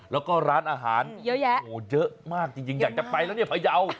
แล้วก็ร้านอาหารเยอะแยะโอ้โหเยอะมากจริงอยากจะไปแล้วเนี่ยพยาว